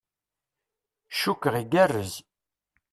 Cukkeɣ igerrez.